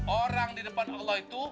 orang di depan allah itu